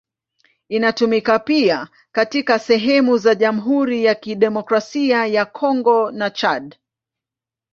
Inatumika pia katika sehemu za Jamhuri ya Kidemokrasia ya Kongo na Chad.